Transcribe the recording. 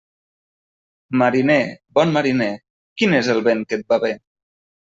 Mariner, bon mariner, quin és el vent que et va bé?